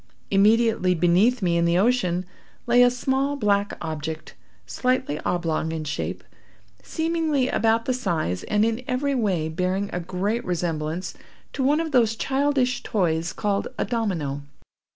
Immediately beneath me in the ocean, lay a small black object, slightly oblong in shape, seemingly about the size, and in every way bearing a great resemblance to one of those childish toys called a domino.